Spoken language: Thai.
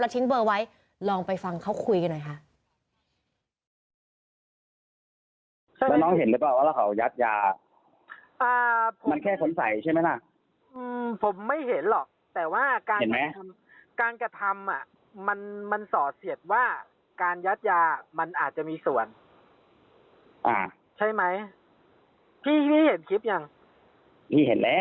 ทิ้งเบอร์ไว้ลองไปฟังเขาคุยกันหน่อยค่ะ